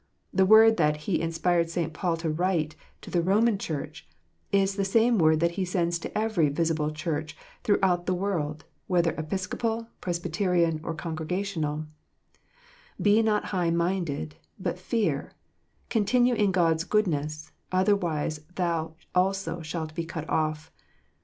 The word that He inspired St. Paul to write to the Roman Church is the same word that He sends to every visible Church through out the world, whether Episcopal, Presbyterian, or Congrega tional :" Be not high minded, but fear : continue in God s good ness : otherwise thou also slialt be cut off."